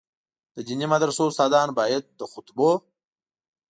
د دیني مدرسو استادان باید د خطبو.